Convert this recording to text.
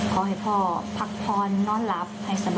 เราไปฟังทั้งเสียงสัมภาษณ์ของคุณฝนแล้วก็คุณฮายกันครับ